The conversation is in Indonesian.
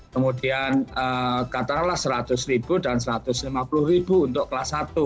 kemudian katakanlah seratus ribu dan satu ratus lima puluh ribu untuk kelas satu